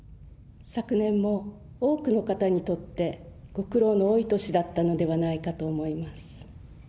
昨年も多くの方にとって、ご苦労の多い年だったのではないかと思います。